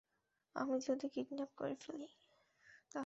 আমি যদি কিডন্যাপ করে ফেলি, তাহলে?